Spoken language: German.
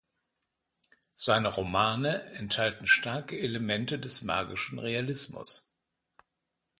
Seine Romane enthalten starke Elemente des magischen Realismus.